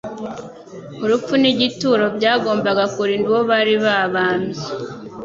Urupfu n'igituro byagombaga kurinda uwo bari babambye.